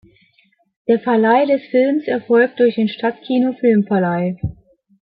Der Verleih des Films erfolgt durch den Stadtkino-Filmverleih.